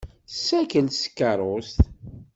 Tessakel s tkeṛṛust.